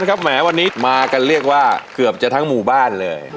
หมายความว่ามากเรียกว่าเกือบจะทั้งหมู่บ้านเลย